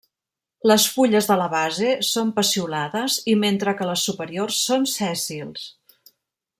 Les fulles de la base són peciolades i mentre que les superiors són sèssils.